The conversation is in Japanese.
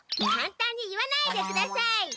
かんたんに言わないでください。